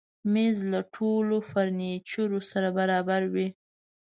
مېز له ټولو فرنیچرو سره برابر وي.